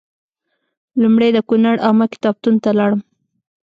لومړی د کونړ عامه کتابتون ته لاړم.